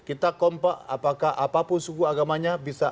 kita kompak apakah apapun suku agamanya bisa